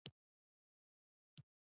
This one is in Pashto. په پوره ډاډ سره یو اطاق ته ورننوتم.